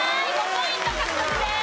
５ポイント獲得です。